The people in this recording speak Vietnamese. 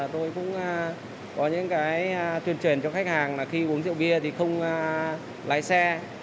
tôi cũng có những cái tuyên truyền cho khách hàng là khi uống rượu bia thì không lái xe